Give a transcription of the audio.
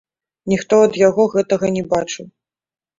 Ніхто ад яго гэтага не бачыў.